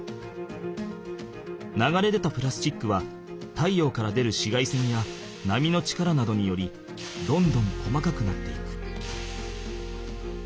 流れ出たプラスチックは太陽から出る紫外線や波の力などによりどんどん細かくなっていく。